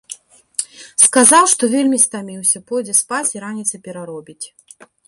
Сказаў, што вельмі стаміўся, пойдзе спаць і раніцай пераробіць.